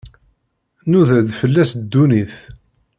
Nnuda-d fell-as ddunit.